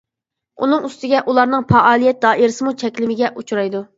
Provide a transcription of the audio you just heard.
ئۇنىڭ ئۈستىگە ئۇلارنىڭ پائالىيەت دائىرىسىمۇ چەكلىمىگە ئۇچرايدۇ.